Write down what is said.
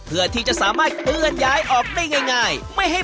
ได้ครับอันนี้